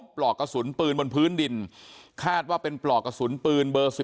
ปลอกกระสุนปืนบนพื้นดินคาดว่าเป็นปลอกกระสุนปืนเบอร์๔